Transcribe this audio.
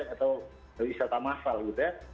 atau wisata masal gitu ya